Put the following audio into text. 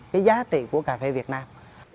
cái giá trị của cà phê việt nam